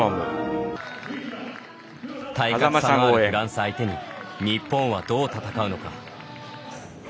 体格差のあるフランス相手に日本はどう戦うのか。